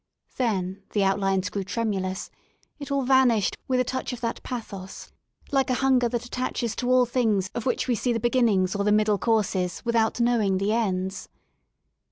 Then the outlines grew tremulous, it all vanished with a touch of that pathos like a hunger that attaches to all things of which we see the beginnings or the middle courses without knowing the ends.